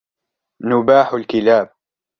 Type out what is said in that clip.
نباح الكلاب